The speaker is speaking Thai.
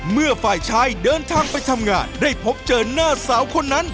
เมื่อฝ่ายชายเดินทางไปทำงานได้พบเจอหน้าสาวคนนั้น